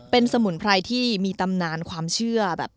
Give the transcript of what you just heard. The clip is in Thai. เป็นสมุนไพรที่มีตำนานความเชื่อแบบ